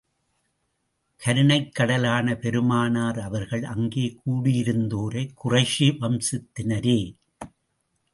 கருணைக் கடலான பெருமானார் அவர்கள் அங்கே கூடியிருந்தோரை குறைஷி வம்சத்தினரே!